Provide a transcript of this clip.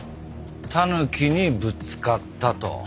たぬきにぶつかったと。